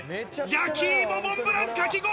焼き芋モンブランかき氷！